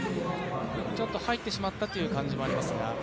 ちょっと入ってしまったという感じもありますが。